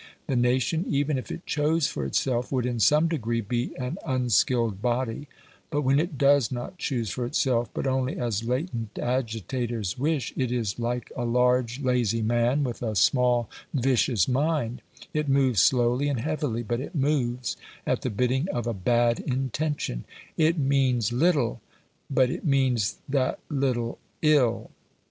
The nation, even if it chose for itself, would, in some degree, be an unskilled body; but when it does not choose for itself, but only as latent agitators wish, it is like a large, lazy man, with a small vicious mind, it moves slowly and heavily, but it moves at the bidding of a bad intention; it "means LITTLE, but it means that little ILL."